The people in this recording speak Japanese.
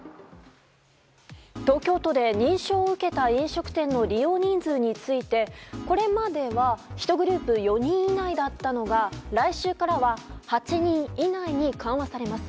東京都で認証を受けた飲食店の利用人数について、これまでは１グループ４人以内だったのが来週からは８人以内に緩和されます。